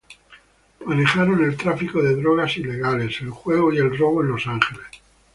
Manejaron el tráfico de drogas ilegales, el juego y el robo en Los Ángeles.